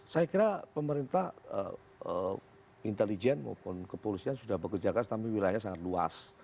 saya kira pemerintah intelijen maupun kepolisian sudah bekerja ke wilayah yang sangat luas